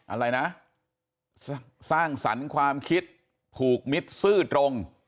อะไรนะสร้างสรรค์ความคิดผูกมิตรซื่อตรง